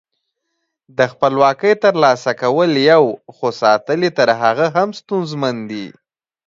د خپلواکۍ تر لاسه کول یو، خو ساتل یې تر هغه هم ستونزمن دي.